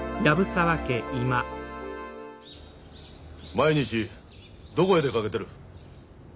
毎日どこへ出かけてる？